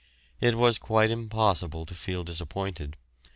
It was quite impossible to feel disappointed.